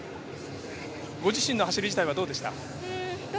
ご自身の走り自体はどうでした？